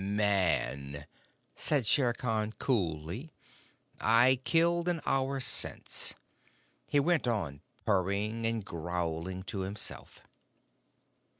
"Man!" said Shere Khan coolly, "I killed an hour since." He went on purring and growling to himself.